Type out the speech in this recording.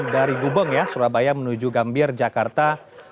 dari gubeng ya surabaya menuju gambir jakarta